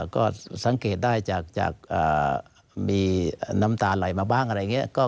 ก็สังเกตได้จากมีน้ำตาไหลมาบ้างอะไรอย่างนี้